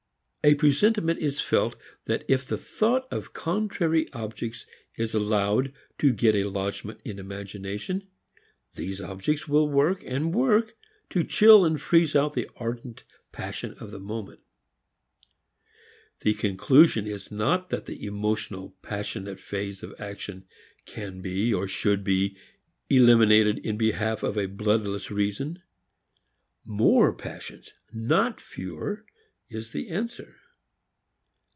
A presentiment is felt that if the thought of contrary objects is allowed to get a lodgment in imagination, these objects will work and work to chill and freeze out the ardent passion of the moment. The conclusion is not that the emotional, passionate phase of action can be or should be eliminated in behalf of a bloodless reason. More "passions," not fewer, is the answer.